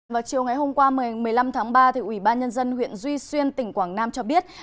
vào chiều ngày hôm qua một mươi năm tháng ba ubnd huyện duy xuyên tỉnh quảng nam cho biết